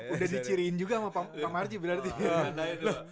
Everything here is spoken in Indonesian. udah diciriin juga sama pak marjo